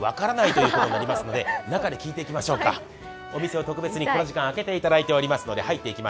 お店を特別にこの時間開けていただいています。